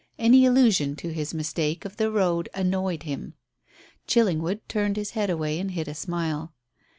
Any allusion to his mistake of the road annoyed him. Chillingwood turned his head away and hid a smile.